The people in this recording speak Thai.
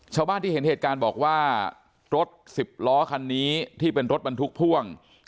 ชาวบ้านที่เห็นเหตุการณ์บอกว่ารถสิบล้อคันนี้ที่เป็นรถบรรทุกพ่วง